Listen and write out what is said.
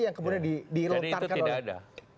jadi itu tidak ada